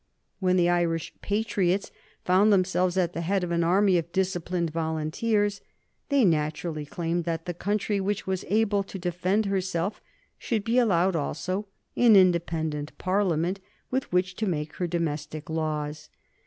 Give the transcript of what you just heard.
When the Irish patriots found themselves at the head of an army of disciplined volunteers they naturally claimed that the country which was able to defend herself should be allowed also an independent Parliament with which to make her domestic laws.